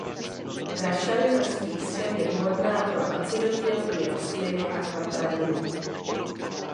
Rašelina s pískem je vhodná pro acidofilní rostliny a kapradiny.